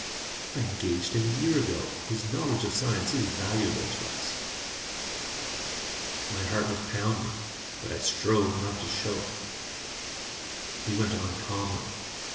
I engaged him a year ago his knowledge of science is valuable to us." My heart was pounding but I strove not to show it. He went on calmly.